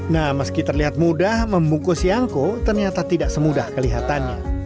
nah meski terlihat mudah membungkus yangko ternyata tidak semudah kelihatannya